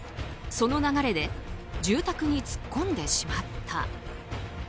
その流れで住宅に突っ込んでしまった。